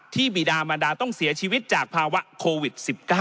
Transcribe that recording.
บีดามันดาต้องเสียชีวิตจากภาวะโควิด๑๙